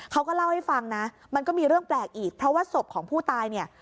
เขาก็เล่าให้ฟังนะมันก็มีเรื่องแปลกอีกเพราะว่าศพของผู้ตายเนี่ย